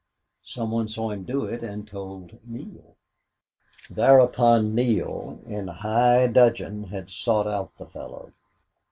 Some one saw him do it and told Neale. Thereupon Neale, in high dudgeon, had sought out the fellow.